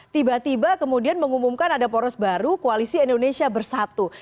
tiba tiba kemudian mengumumkan ada poros baru koalisi indonesia bersatu